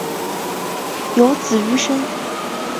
有子俞深。